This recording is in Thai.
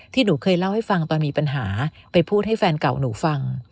หนูเคยเล่าให้ฟังตอนมีปัญหาไปพูดให้แฟนเก่าหนูฟัง